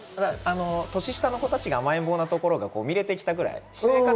年下の子たちの甘えん坊のところが見えてきたくらい。